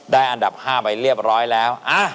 อันดับ๕ไปเรียบร้อยแล้ว